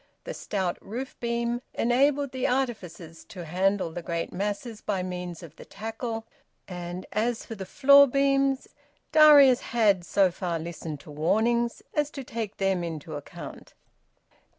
The stout roof beam enabled the artificers to handle the great masses by means of the tackle; and as for the floor beams, Darius had so far listened to warnings as to take them into account.